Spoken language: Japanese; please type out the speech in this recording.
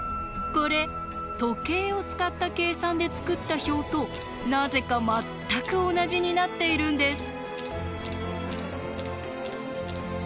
これ時計を使った計算で作った表となぜか全く同じになっているんです。